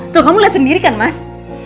tuh kamu lihat sendiri kan mas